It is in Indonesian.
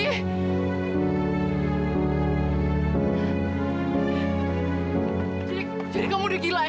jadi jadi kamu udah gila ya